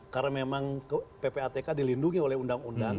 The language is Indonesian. karena memang ppatk dilindungi oleh undang undang